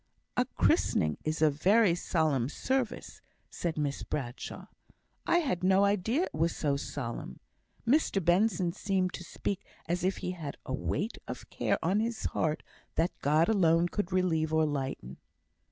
"A christening is a very solemn service," said Miss Bradshaw; "I had no idea it was so solemn. Mr Benson seemed to speak as if he had a weight of care on his heart that God alone could relieve or lighten."